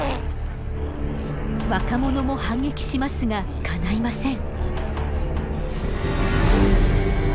若者も反撃しますがかないません。